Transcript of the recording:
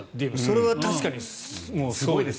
それは確かにすごいですよ。